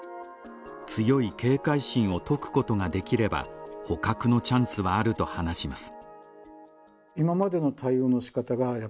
強い警戒心を解くことができれば捕獲のチャンスはあると話します。